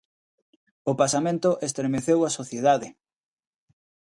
O pasamento estremeceu a sociedade.